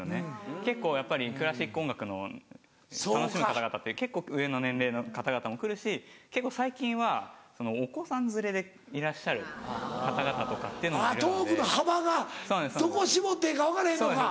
結構やっぱりクラシック音楽の楽しむ方々って結構上の年齢の方々も来るし最近はお子さん連れでいらっしゃる方々とか。あっトークの幅がどこ絞ってええか分からへんのか。